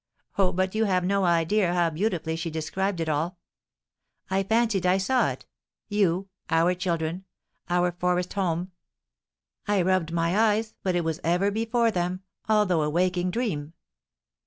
Oh, but you have no idea how beautifully she described it all! I fancied I saw it you our children our forest home. I rubbed my eyes, but it was ever before them, although a waking dream."